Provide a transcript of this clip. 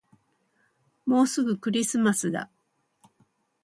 もうすぐクリスマスだ